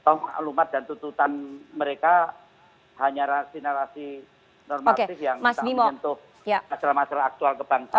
saya hanya tahu alamat dan tuntutan mereka hanya sinarasi normatif yang menentukan masalah masalah aktual kebangsaan